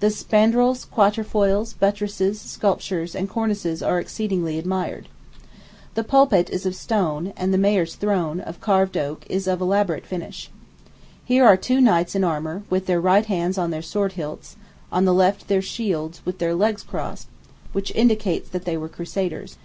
The spandrils, quatrefoils, buttresses, sculptures, and cornices are exceedingly admired. The pulpit is of stone, and the mayor's throne, of carved oak, is of elaborate finish. Here are two knights in armor, with their right hands on their sword hilts, on the left their shields, with their legs crossed, which indicates that they were crusaders.